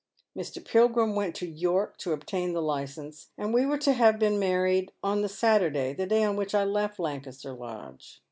Mr. Pilgrim went to York to obtain the licence, and we were to have "been married on the Saturday, the day on ^\■hich I left Lancaster Lodge.